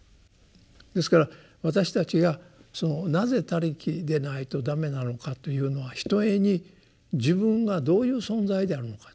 ですから私たちがなぜ「他力」でないと駄目なのかというのはひとえに自分がどういう存在であるのか。